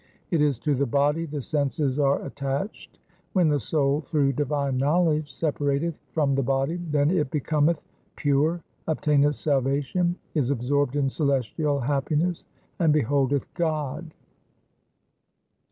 It is to the body the senses are attached. When the soul through divine knowledge separateth from the body, then it becometh pure, obtaineth salvation, is ab sorbed in celestial happiness, and beholdeth God.